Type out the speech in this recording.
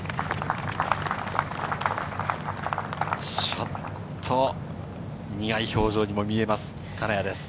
ちょっと苦い表情にも見えます、金谷です。